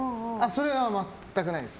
それは全くないです。